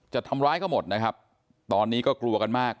จะทำร้ายเขาหมดนะครับตอนนี้ก็กลัวกันมาก